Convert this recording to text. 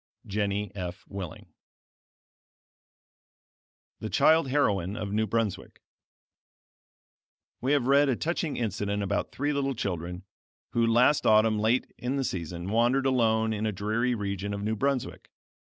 Jennie F. Willing THE CHILD HEROINE OF NEW BRUNSWICK We have read a touching incident about three little children, who, last autumn late in the season, wandered alone in a dreary region of New Brunswick.